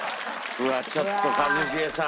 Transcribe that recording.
ちょっと一茂さん。